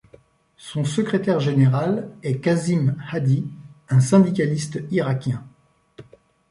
Son secrétaire général est Qasim Hadi, un syndicaliste irakien.